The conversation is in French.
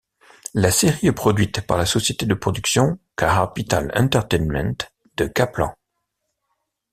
La série est produite par la société de production Kaapital Entertainment de Kaplan.